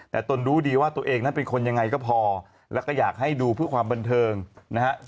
แต่ตนรู้ดีว่าตัวเองนั้นเป็นคนยังไงก็พอแล้วก็อยากให้ดูเพื่อความบันเทิงนะฮะ